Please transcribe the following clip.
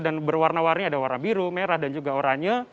dan berwarna warni ada warna biru merah dan juga oranye